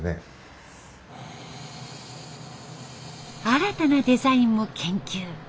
新たなデザインも研究。